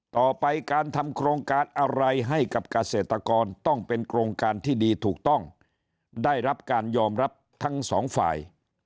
ต่อไปการทำโครงการอะไรให้กับเกษตรกรต้องเป็นโครงการที่ดีถูกต้องได้รับการยอมรับทั้งสองฝ่าย